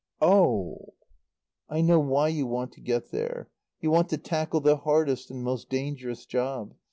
"Oh " "I know why you want to get there. You want to tackle the hardest and most dangerous job.